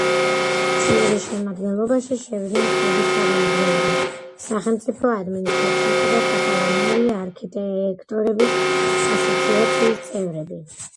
ჟიურის შემადგენლობაში შევიდნენ კლუბის წარმომადგენლები, სახელმწიფო ადმინისტრაციისა და კატალონიელი არქიტექტორების ასოციაციის წევრები.